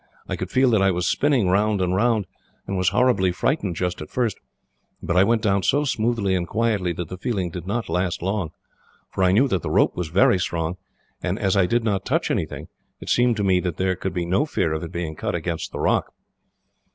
I could feel that I was spinning round and round, and was horribly frightened just at first. But I went down so smoothly and quietly that the feeling did not last long; for I knew that the rope was very strong, and as I did not touch anything, it seemed to me that there could be no fear of it being cut against the rock."